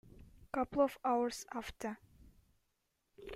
Couple of hours after.